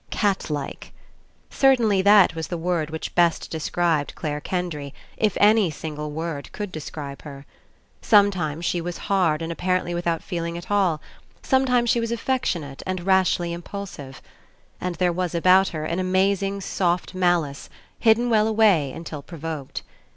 Catlike. Certainly that was the word which best described Clare Kendry, if any sin gle word could describe her. pometlmes she 6 ENCOUNTER was hard and apparently without feeling at all; sometimes she was affectionate and rashly Im pulsive. And there was about her an amazing soft malice, hidden well away until provoked.